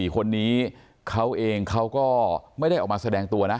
๔คนนี้เขาเองเขาก็ไม่ได้ออกมาแสดงตัวนะ